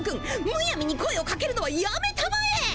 むやみに声をかけるのはやめたまえ！